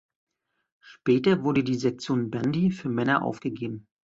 Später wurde die Sektion Bandy für Männer aufgegeben.